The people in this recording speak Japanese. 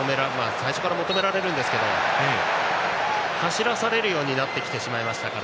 最初から求められるんですけども走らされるようになってきましたから。